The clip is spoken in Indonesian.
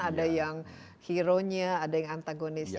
ada yang hero nya ada yang antagonisnya